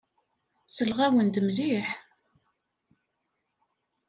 Selleɣ-awen-d mliḥ.